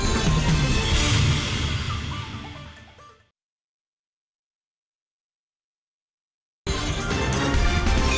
kisah novel baswedan